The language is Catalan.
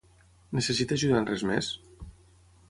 Necessita ajuda en res més?